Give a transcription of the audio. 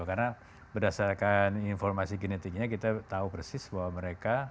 karena berdasarkan informasi genetiknya kita tahu persis bahwa mereka